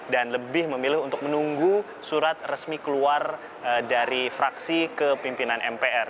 dan lebih memilih untuk menunggu surat resmi keluar dari fraksi kepimpinan mpr